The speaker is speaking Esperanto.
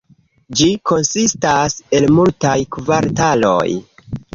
Ĝi konsistas el multaj kvartaloj.